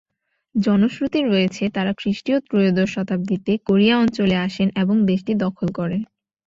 জনশ্রুতি রয়েছে তারা খ্রিস্টীয় ত্রয়োদশ শতাব্দীতে কোরিয়া অঞ্চলে আসেন এবং দেশটি দখল করেন।